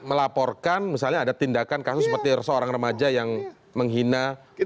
melaporkan misalnya ada tindakan kasus seperti seorang remaja yang menghina